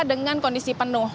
dengan kondisi penuh